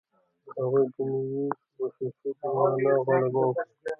د هغوی دنیوي وسوسې پر معنوي غلبه وکړي.